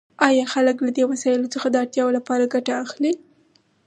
آیا خلک له دې وسایلو څخه د اړتیاوو لپاره ګټه اخلي؟